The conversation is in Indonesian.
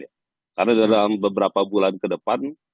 karena dalam beberapa bulan ke depan